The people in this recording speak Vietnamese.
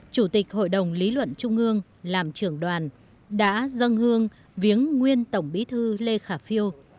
chủ tịch hội đồng lý luận trung ương làm trưởng đoàn đã dâng hương viếng nguyên tổng bí thư lê khả phiêu